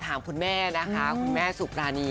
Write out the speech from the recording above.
ถามคุณแม่นะคะคุณแม่สุปรานี